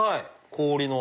氷の。